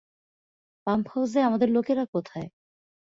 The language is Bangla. পাম্প হাউসে আমাদের লোকেরা কোথায়?